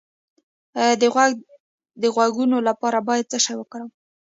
د غوږ د غږونو لپاره باید څه شی وکاروم؟